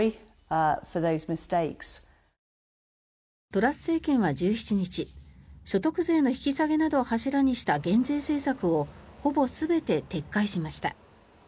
トラス政権は１７日所得税の引き下げなどを柱にした減税政策をほぼ全て撤回しました。